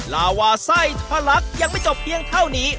ลาวาไส้ทะลักยังไม่จบเพียงเท่านี้